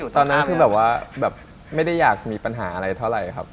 ตอนนั้นคือไม่ได้อยากมีปัญหาเท่าไหร่